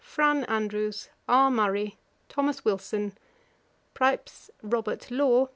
FRAN. ANDREWS. R. MURRAY. 'THO. WILSON. Præps. ROBtus LAW.